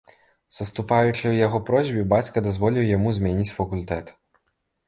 Саступаючы яго просьбе, бацька дазволіў яму змяніць факультэт.